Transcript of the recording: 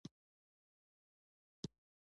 د غالۍ مینوال زیات دي.